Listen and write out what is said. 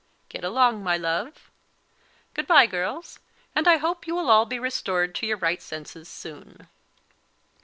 Get along, my love. Good bye, girls; and I hope you will all be restored to your right senses soon."